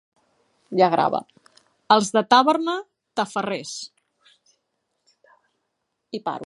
Els de Tàrbena, tafarrers.